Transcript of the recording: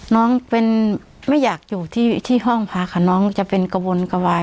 น้องเป็นไม่อยากอยู่ที่ห้องพักค่ะน้องจะเป็นกระวนกระวาย